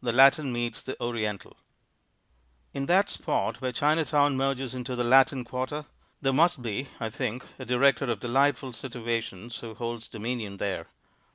The Latin Meets the Oriental In that spot where Chinatown merges into the Latin quarter there must be, I think, a Director of Delightful Situations who holds dominion there.